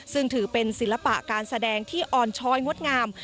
ซึ่งถือเป็นศิลปะการแสดงที่อ่อนช้อยงดงาม